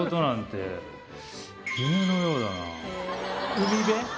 海辺？